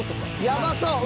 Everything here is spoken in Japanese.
やばそう。